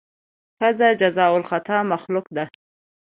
ښځه جایز الخطا مخلوقه ده.